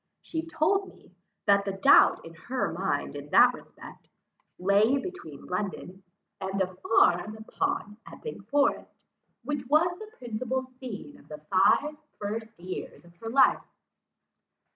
She told me, that the doubt in her mind in that respect, lay between London, and a farm upon Epping Forest, which was the principal scene of the five first years of her life.